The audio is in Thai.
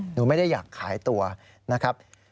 หนูไม่ได้อยากขายตัวนะครับ